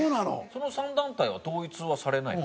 その３団体は統一はされないの？